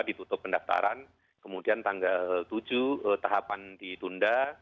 ditutup pendaftaran kemudian tanggal tujuh tahapan ditunda